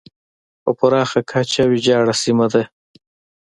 په پراخه کچه ویجاړه سیمه ده.